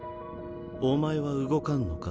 お前は動かんのか？